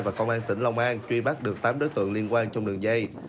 và công an tỉnh long an truy bắt được tám đối tượng liên quan trong đường dây